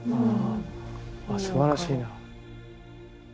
あすばらしいな。